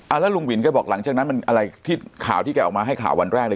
แล้วลุงวินแกบอกหลังจากนั้นมันอะไรที่ข่าวที่แกออกมาให้ข่าววันแรกเลย